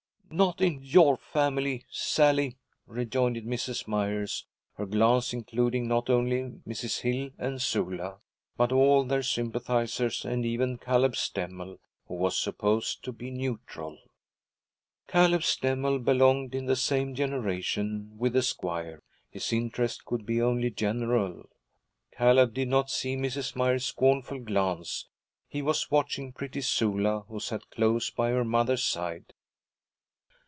'Not in your family, Sally,' rejoined Mrs. Myers, her glance including not only Mrs. Hill and Sula, but all their sympathizers, and even Caleb Stemmel, who was supposed to be neutral. Caleb Stemmel belonged in the same generation with the squire; his interest could be only general. Caleb did not see Mrs. Myers's scornful glance; he was watching pretty Sula, who sat close by her mother's side.